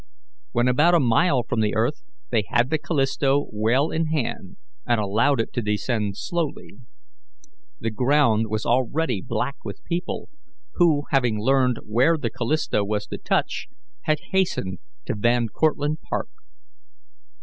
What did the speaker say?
When about a mile from the earth they had the Callisto well in hand, and allowed it to descend slowly. The ground was already black with people, who, having learned where the Callisto was to touch, had hastened to Van Cortlandt Park.